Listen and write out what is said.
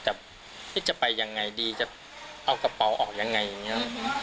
แต่จะไปยังไงดีจะเอากระเป๋าออกยังไงอย่างนี้